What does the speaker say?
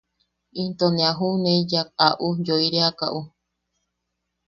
Into ne a ju’uneiyak a ujyoireaka’u.